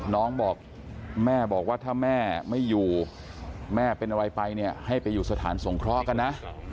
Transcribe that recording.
น้องบอกแม่บอกว่าถ้าแม่ไม่อยู่แม่เป็นอะไรไปเนี่ยให้ไปอยู่สถานสงเคราะห์กันนะ